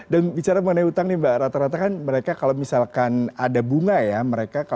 dan bicara mengenai utang rata rata mereka kalau misalkan ada bunga